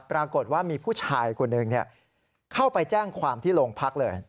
ปรากฏว่ามีผู้ชายคนหนึ่งเข้าไปแจ้งความที่โรงพักเลย